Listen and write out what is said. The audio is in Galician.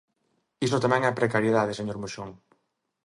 Iso tamén é precariedade, señor Moxón.